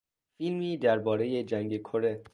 فیلمی دربارهی جنگ کره